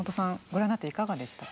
ご覧になっていかがでしたか？